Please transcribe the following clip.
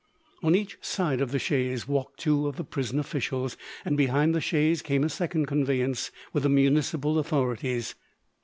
On each side of the chaise walked two of the prison officials, and behind the chaise came a second conveyance with the municipal authorities.